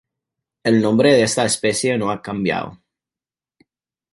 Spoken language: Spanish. El nombre de esta especie no ha cambiado.